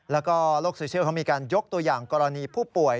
แล้วก็โลกโซเชียลเขามีการยกตัวอย่างกรณีผู้ป่วย